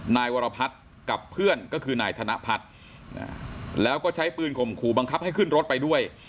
นายวรพัฒน์กับเพื่อนก็คือนายธนพัฒน์แล้วก็ใช้ปืนข่มขู่บังคับให้ขึ้นรถไปด้วย